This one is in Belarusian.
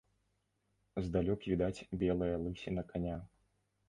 Здалёк відаць белая лысіна каня.